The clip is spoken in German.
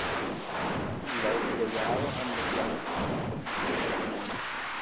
Im Laufe der Jahre haben wir kleine Zugeständnisse errungen.